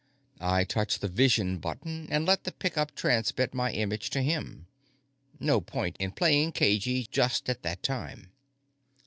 I touched the "vision" button and let the pick up transmit my image to him. No point in playing cagy just at that time.